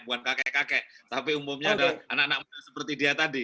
bukan kakek kakek tapi umumnya adalah anak anak muda seperti dia tadi